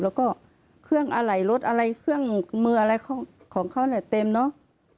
แล้วก็เครื่องอะไหล่รถอะไรเครื่องมืออะไรของเขาเนี่ยเต็มเนอะ